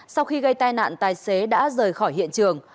sau khi gây tai nạn tài xế đã rời khỏi hiện trường